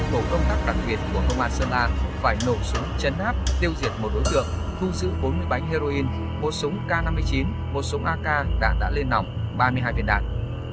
tổ công tác đặc biệt của công an sơn la phải nổ súng chấn áp tiêu diệt một đối tượng thu giữ bốn mươi bánh heroin một súng k năm mươi chín một súng ak đã lên nòng ba mươi hai viên đạn